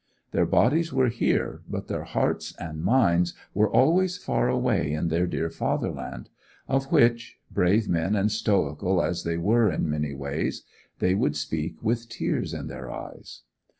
Their bodies were here, but their hearts and minds were always far away in their dear fatherland, of which—brave men and stoical as they were in many ways—they would speak with tears in their eyes.